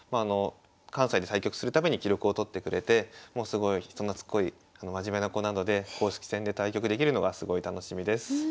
関西で対局する度に記録をとってくれてすごい人なつっこい真面目な子なので公式戦で対局できるのがすごい楽しみです。